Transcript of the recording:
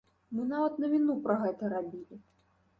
Мы нават навіну пра гэта рабілі.